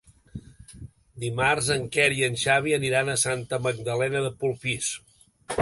Dimarts en Quer i en Xavi aniran a Santa Magdalena de Polpís.